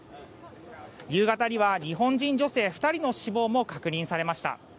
夕方には日本人女性２人の死亡も確認されました。